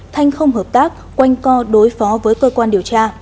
thanh không hợp tác quanh co đối phó với cơ quan điều tra